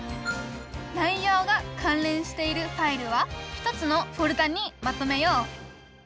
内容が関連しているファイルは１つのフォルダにまとめよう！